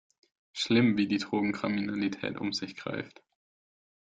Schlimm, wie die Drogenkriminalität um sich greift!